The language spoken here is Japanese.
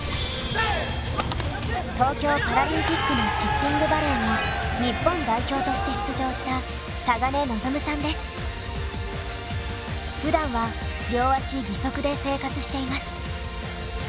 東京パラリンピックのシッティングバレーの日本代表として出場したふだんは両足義足で生活しています。